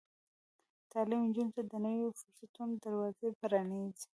تعلیم نجونو ته د نويو فرصتونو دروازې پرانیزي.